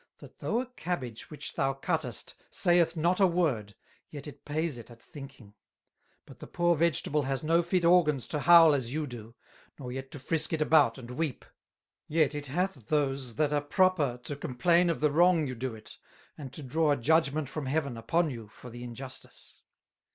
that though a Cabbage which thou cuttest sayeth not a Word, yet it pays it at Thinking; but the poor Vegetable has no fit Organs to howl as you do, nor yet to frisk it about, and weep: Yet, it hath those that are proper to complain of the Wrong you do it, and to draw a Judgement from Heaven upon you for the Injustice.